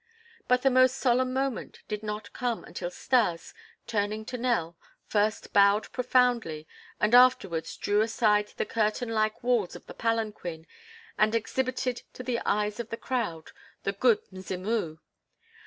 But the most solemn moment did not come until Stas, turning to Nell, first bowed profoundly and afterwards drew aside the curtain like walls of the palanquin and exhibited to the eyes of the crowd the "Good Mzimu."